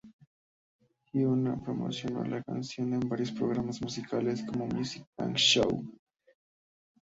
Hyuna promocionó la canción en varios programas musicales como "Music Bank", "Show!